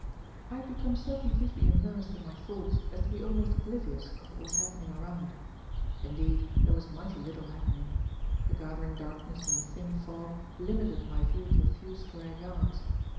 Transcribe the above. I had become so completely immersed in my thoughts as to be almost oblivious of what was happening around. Indeed, there was mighty little happening. The gathering darkness and the thin fog limited my view to a few square yards.